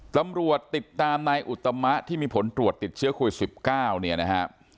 ตำรวจติดตามนายอุตมะที่มีผลตรวจติดเชื้อโควิด๑๙เนี่ยนะฮะ